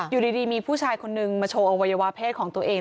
อยู่ดีมีผู้ชายคนนึงมาโชว์อวัยวะเพศของตัวเอง